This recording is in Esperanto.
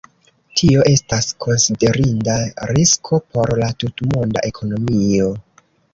Tio estas konsiderinda risko por la tutmonda ekonomio.